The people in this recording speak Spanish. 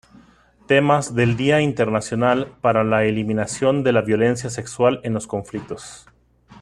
Temas del Día Internacional para la Eliminación de la Violencia Sexual en los Conflictos